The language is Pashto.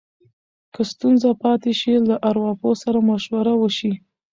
که ستونزه پاتې شي، له ارواپوه سره مشوره وشي.